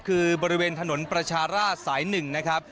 คือบริเวณถนนประชาราชสาย๑นะครับ